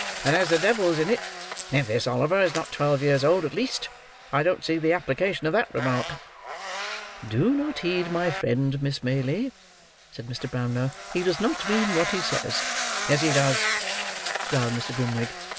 "And, as the devil's in it if this Oliver is not twelve years old at least, I don't see the application of that remark." "Do not heed my friend, Miss Maylie," said Mr. Brownlow; "he does not mean what he says." "Yes, he does," growled Mr. Grimwig.